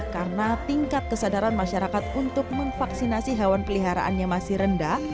karena tingkat kesadaran masyarakat untuk memvaksinasi hewan peliharaannya masih rendah